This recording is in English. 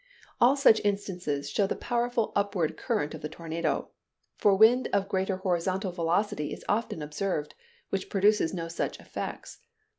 All such instances show the powerful upward current of the tornado; for wind of greater horizontal velocity is often observed, which produces no such effects.